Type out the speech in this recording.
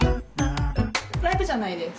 ライブじゃないです。